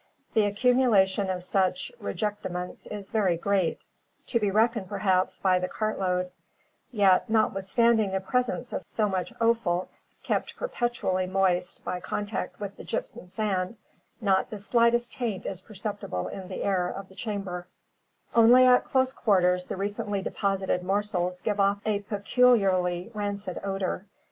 The accumulation of such rejectamenta is very great, to be reckoned perhaps by the cartload; yet, notwithstanding the presence of so much offal, kept perpetually moist by contact with the gypsum sand, not the slightest taint is perceptible in the air of the chamber; only at close quarters the recently deposited morsels give off a peculiarly rancid odor.